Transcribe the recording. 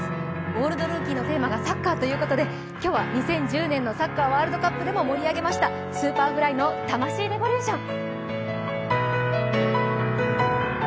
「オールドルーキー」のてーまかサッカーということで、今日は２０１０年のサッカーワールドカップでも盛り上げましたＳｕｐｅｒｆｌｙの「タマシイレボリューション」。